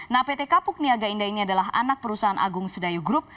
nah pt kapuk niaga indah ini adalah anak perusahaan agung sudayu group